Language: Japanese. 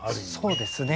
そうですね